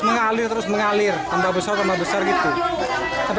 mengalir tambah besar tambah besar gitu sampai sekarang ini belum sampai sekarang ini belum sampai